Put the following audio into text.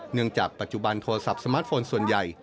เนื่องจากปัจจุบันโทรศัพท์สมาร์ทโฟนส่วนใหญ่